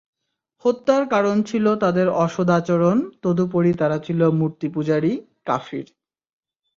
হত্যার কারণ ছিল তাদের অসদাচরণ, তদুপরি তারা ছিল মূর্তিপূজারী, কাফির।